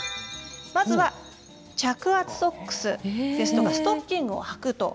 まずは着圧ソックスですとかストッキングを履くということ。